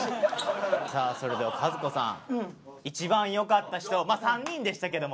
さあそれでは和子さん一番良かった人３人でしたけども。